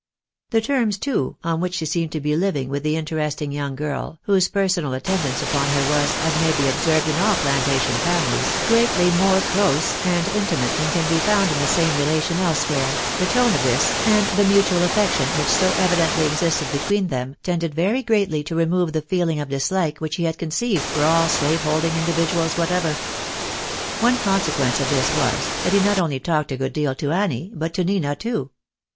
The terms too, on which she seemed to be living with the interesting young girl, whose per sonal attendance upon her was, as may be observed in all plantation families, greatly more close and intimate than can be found in the same relation elsewhere, the tone of this, and the mutual affection which so evidently existed between them, tended very greatly to remove the feeling of dislike which he had conceived for all slave holding individuals whatever. One consequence of this was, that he not only talked a good deal to Annie, but to Nina too.